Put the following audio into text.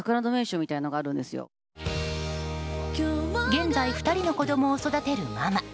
現在２人の子供を育てるママ。